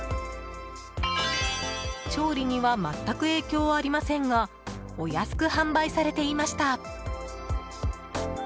調理には全く影響ありませんがお安く販売されていました。